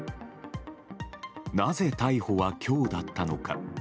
なぜ逮捕は今日だったのか。